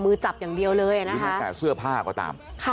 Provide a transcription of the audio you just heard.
มือจับอย่างเดียวเลยนะคะแม้แต่เสื้อผ้าก็ตาม